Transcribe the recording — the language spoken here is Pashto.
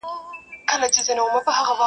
• خلګ وایې د قاضي صاب مهماني ده..